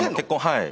はい。